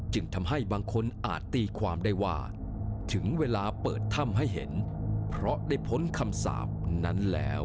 จึงทำให้บางคนอาจตีความได้ว่าถึงเวลาเปิดถ้ำให้เห็นเพราะได้พ้นคำสาปนั้นแล้ว